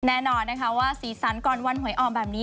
แน่นอนนะคะว่าสีสันก่อนวันหวยออกแบบนี้